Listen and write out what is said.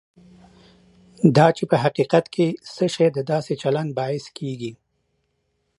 دا چې په حقیقت کې څه شی د داسې چلند باعث کېږي.